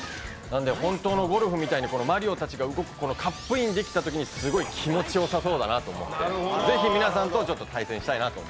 本当のゴルフみたいにマリオたちが動く、カップインできたときにすごい気持ちよさそうだなと思って、ぜひ皆さんと対戦したいなと。